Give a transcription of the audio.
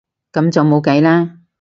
噉就冇計啦